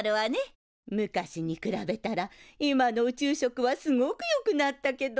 昔に比べたら今の宇宙食はすごくよくなったけど。